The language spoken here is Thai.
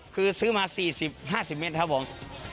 คือซื้อมา๔๐๕๐เมตรครับผม